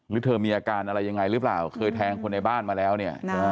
เธอมีอาการอะไรยังไงหรือเปล่าเคยแทงคนในบ้านมาแล้วเนี่ย